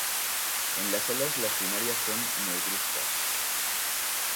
En las alas las primarias son negruzcas.